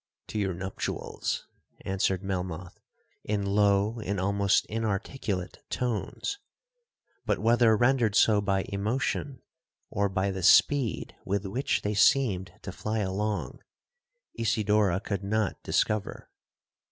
'—'To your nuptials,' answered Melmoth, in low and almost inarticulate tones;—but whether rendered so by emotion, or by the speed with which they seemed to fly along, Isidora could not discover.